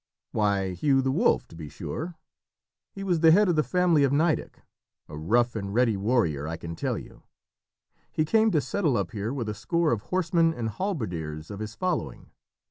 "Why, Hugh the Wolf, to be sure. He was the head of the family of Nideck, a rough and ready warrior, I can tell you. He came to settle up here with a score of horsemen and halberdiers of his following.